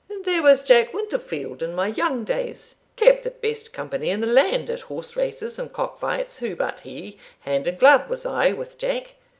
There was Jack Winterfield, in my young days, kept the best company in the land at horse races and cock fights who but he hand and glove was I with Jack.